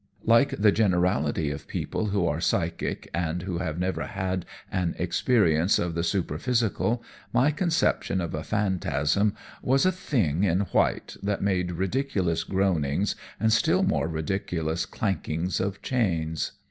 Like the generality of people who are psychic and who have never had an experience of the superphysical, my conception of a phantasm was a "thing" in white that made ridiculous groanings and still more ridiculous clankings of chains.